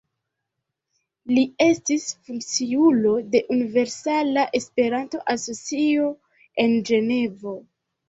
Li estis funkciulo de Universala Esperanto-Asocio en Ĝenevo.